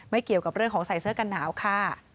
เกี่ยวกับเรื่องของใส่เสื้อกันหนาวค่ะ